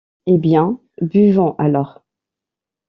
Eh bien, buvons alors.